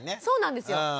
そうなんですよ。